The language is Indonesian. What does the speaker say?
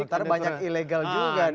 sementara banyak ilegal juga di sini